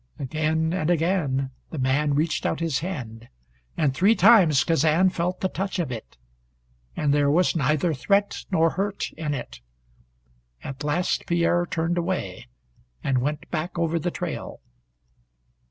Again and again the man reached out his hand, and three times Kazan felt the touch of it, and there was neither threat nor hurt in it. At last Pierre turned away and went back over the trail.